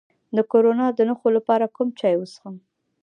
د کرونا د نښو لپاره کوم چای وڅښم؟